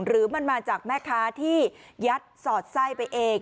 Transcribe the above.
หรือมันมาจากแม่ค้าที่ยัดสอดไส้ไปเอง